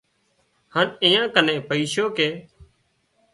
هانَ ايئان ڪن پوسِيُون ڪي